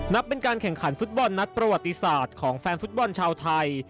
นับเป็นการแข่งขันฟุตบอลนัดประวัติศาสตร์ของแฟนฟุตบอลชาวไทย